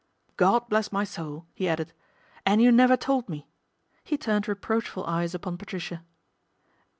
" God bless my soul !" he added, " and you never told me." He turned reproachful eyes upon Patricia.